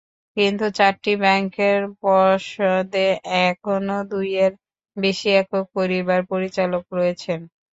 কিন্তু চারটি ব্যাংকের পর্ষদে এখনো দুইয়ের বেশি একক পরিবারের পরিচালক রয়েছেন।